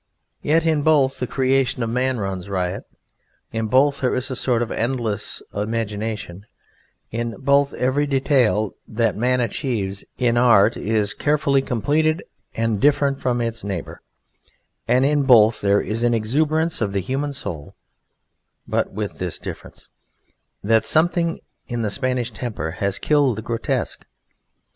Yet in both the creation of man runs riot; in both there is a sort of endlessness of imagination; in both every detail that man achieves in art is carefully completed and different from its neighbour; and in both there is an exuberance of the human soul: but with this difference, that something in the Spanish temper has killed the grotesque.